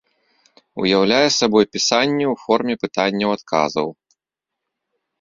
Ўяўляе сабой пісанне ў форме пытанняў-адказаў.